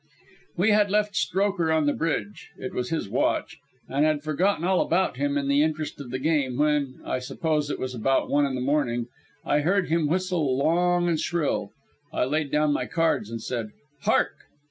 We had left Strokher on the bridge it was his watch and had forgotten all about him in the interest of the game, when I suppose it was about one in the morning I heard him whistle long and shrill. I laid down my cards and said: "Hark!"